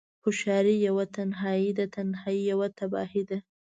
هوشیاری یوه تنهایی ده، تنهایی یوه تباهی ده